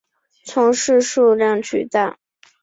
存世数量巨大。